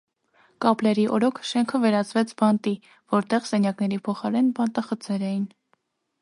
Կապլերի օրոք շենքը վերածվեց բանտի, որտեղ սենյակների փոխարեն բանտախցեր էին։